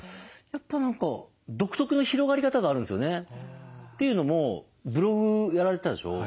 やっぱ何か独特の広がり方があるんですよね。というのもブログやられてたでしょ。